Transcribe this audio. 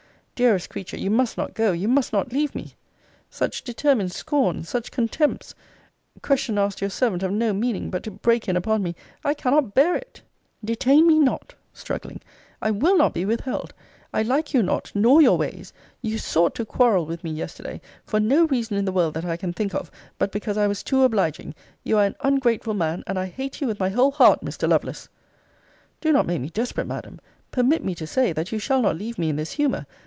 Dearest creature, you must not go you must not leave me Such determined scorn! such contempts! Questions asked your servant of no meaning but to break in upon me I cannot bear it! Detain me not [struggling.] I will not be withheld. I like you not, nor your ways. You sought to quarrel with me yesterday, for no reason in the world that I can think of, but because I was too obliging. You are an ungrateful man; and I hate you with my whole heart, Mr. Lovelace! Do not make me desperate, Madam. Permit me to say, that you shall not leave me in this humour.